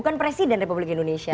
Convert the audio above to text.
bukan presiden republik indonesia